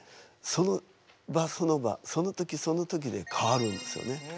その場その場その時その時で変わるんですよね。